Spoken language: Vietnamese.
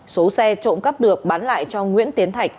số xe trộm cắp được bán lại cho nguyễn tiến thạch